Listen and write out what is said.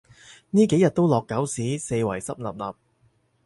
呢幾日都落狗屎，四圍濕 𣲷𣲷